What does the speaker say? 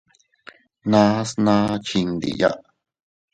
Nas naa chindiya.